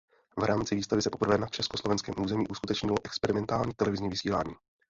V rámci výstavy se poprvé na československém území uskutečnilo experimentální televizní vysílání.